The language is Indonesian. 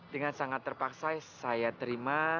dengan sangat terpaksa saya terima